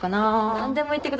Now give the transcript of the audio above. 何でも言ってください。